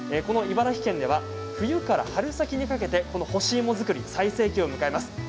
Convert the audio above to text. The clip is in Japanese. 茨城県では冬から春先にかけて干し芋作りが最盛期を迎えます。